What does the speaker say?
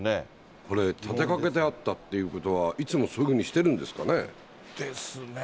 これ、立てかけてあったっていうことは、いつもそういうふうですね。